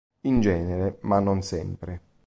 In genere, ma non sempre.